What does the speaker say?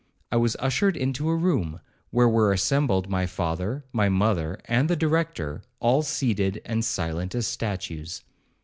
I was ushered into a room, where were assembled my father, my mother, and the Director, all seated, and silent as statues.